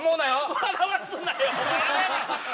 笑わすなよお前。